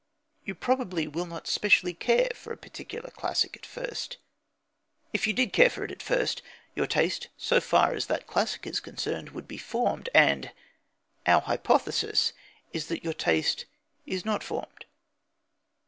You probably will not specially care for a particular classic at first. If you did care for it at first, your taste, so far as that classic is concerned, would be formed, and our hypothesis is that your taste is not formed.